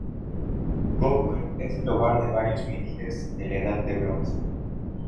Gower es el hogar de varios menhires, de la Edad de Bronce.